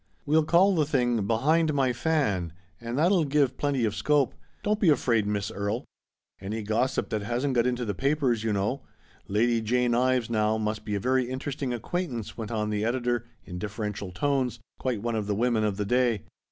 We'll call the thing i Behind My Fan,' and that'll give plenty of scope. Don't be afraid, Miss Erie. Any gossip that hasn't got into the papers, you know." " Lady Jane Ives, now, must be a very interesting acquaintance," went on the editor f THE 8T0RY OF A MODERN WOMAN. in deferential tones, "quite one of the women of the day.